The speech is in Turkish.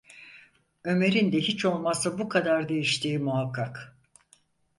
Ömer’in de hiç olmazsa bu kadar değiştiği muhakkak…